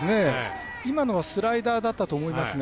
今のスライダーだったと思いますが。